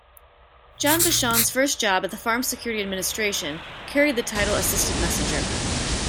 John Vachon's first job at the Farm Security Administration carried the title assistant messenger.